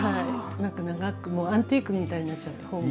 なんか長くもうアンティークみたいになっちゃった本が。